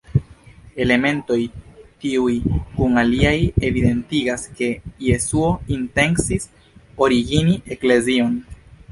Elementoj tiuj kun aliaj evidentigas ke Jesuo intencis originigi eklezion.